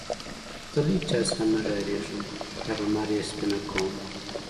زه له هيچا څخه نه ډارېږم؛ تر لمر يې سپينه کوم.